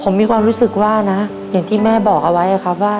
ผมมีความรู้สึกว่านะอย่างที่แม่บอกเอาไว้ครับว่า